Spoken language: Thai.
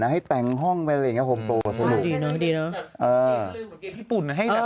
ให้แต่งห้องไปห้องโปรแบบสมุดดีนะให้เปลี่ยนลยุ่นไป